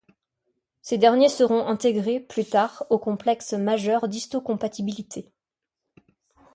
Ces derniers seront intégrés, plus tard, au complexe majeur d'histocompatibilité.